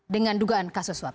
dengan dugaan kasus swap